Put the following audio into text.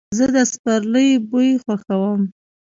زه د سپرلي بوی خوښوم.